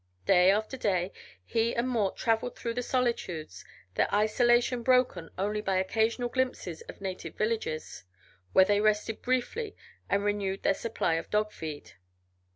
Day after day he and Mort traveled through the solitudes, their isolation broken only by occasional glimpses of native villages, where they rested briefly and renewed their supply of dog feed.